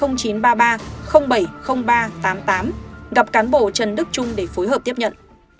gặp cán bộ trần đức trung để phối hợp tiếp nhận